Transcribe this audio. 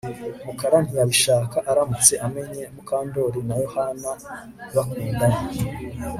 Mukara ntiyabishaka aramutse amenye Mukandoli na Yohana bakundana